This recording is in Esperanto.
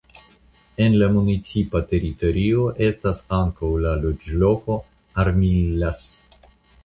En la municipa teritorio estas ankaŭ la loĝloko Armillas.